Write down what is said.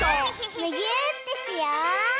むぎゅーってしよう！